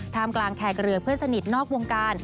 กลางแขกเรือเพื่อนสนิทนอกวงการ